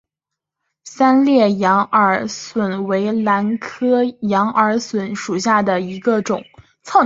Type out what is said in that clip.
三裂羊耳蒜为兰科羊耳蒜属下的一个种。